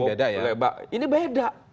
beda ya ini beda